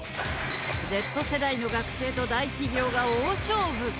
Ｚ世代の学生と大企業が大勝負。